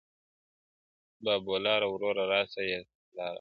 بابولاره وروره راسه تې لار باسه.